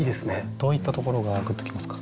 どういったところがグッときますか？